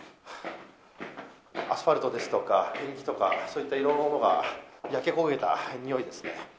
アスファルトですとかペンキとかそういったいろんなものが焼け焦げたにおいですね。